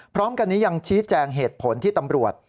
พร้อมกันนี้ยังชี้แจงเหตุผลที่ตำรวจ